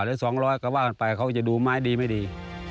หรือสองร้อยกว่ากันไปเขาจะดูไม้ดีไม่ดี